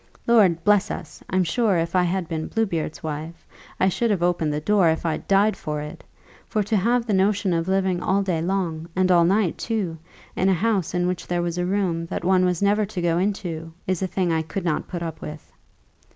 Lord bless us! I'm sure, if I had been Bluebeard's wife, I should have opened the door, if I'd died for it; for to have the notion of living all day long, and all night too, in a house in which there was a room that one was never to go into, is a thing I could not put up with."